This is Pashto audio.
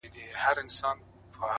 ښايستو کي خيالوري پيدا کيږي ـ